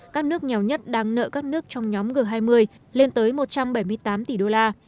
các nước nghèo nhất đang nợ các nước trong nhóm g hai mươi lên tới một trăm bảy mươi tám tỷ đô la